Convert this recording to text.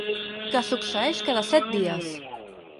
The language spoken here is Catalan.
Que succeeix cada set dies.